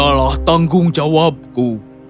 adalah tanggung jawabku